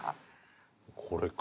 これか。